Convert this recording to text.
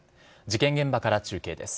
事件現場から中継です。